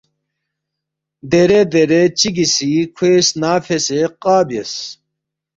دیرے درے چِگی سی کھوے سنا فیسے قا بیاس